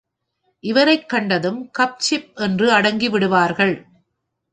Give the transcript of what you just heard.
இவரைக் கண்டதும் கப்சிப் என்று அடங்கி விடுவார்கள்.